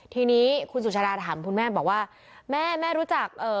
ทีนี้คุณสุชาดาถามคุณแม่บอกว่าแม่แม่รู้จักเอ่อ